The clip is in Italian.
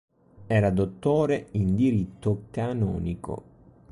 Era dottore in diritto canonico.